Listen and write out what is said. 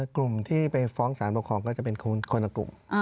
กลุ่มที่ไปฟ้องสารปกครองก็จะเป็นคนละกลุ่ม